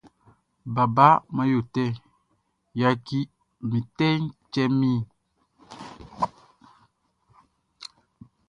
Baba man yo tɛ, yatchi mi tɛ tchɛ mi he.